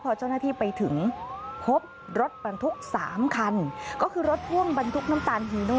พอเจ้าหน้าที่ไปถึงพบรถบรรทุกสามคันก็คือรถพ่วงบรรทุกน้ำตาลฮีโน